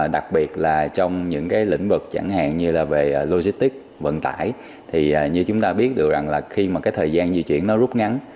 đặc biệt là trong những cái lĩnh vực chẳng hạn như là về logistics vận tải thì như chúng ta biết được rằng là khi mà cái thời gian di chuyển nó rút ngắn